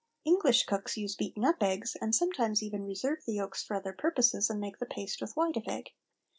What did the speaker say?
English cooks use beaten up eggs, and sometimes even reserve the yolks for other purposes and make the paste with white of egg.